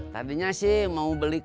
tadinya sih mau beli